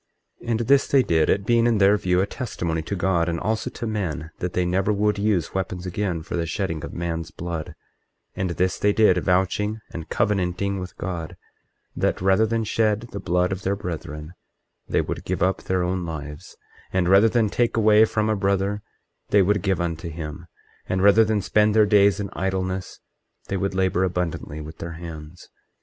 Alma 24:18 And this they did, it being in their view a testimony to God, and also to men, that they never would use weapons again for the shedding of man's blood; and this they did, vouching and covenanting with God, that rather than shed the blood of their brethren they would give up their own lives; and rather than take away from a brother they would give unto him; and rather than spend their days in idleness they would labor abundantly with their hands.